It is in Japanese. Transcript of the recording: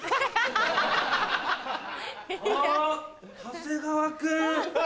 長谷川君！